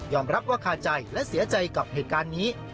รับว่าคาใจและเสียใจกับเหตุการณ์นี้